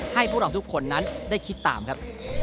ให้พวกเราทุกคนนั้นได้คิดตามครับ